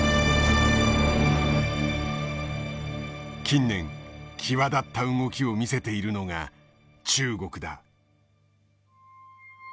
近年際立った動きを見せているのが中国だ。